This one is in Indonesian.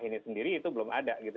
ini sendiri itu belum ada gitu